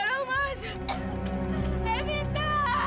ya udah kita bisa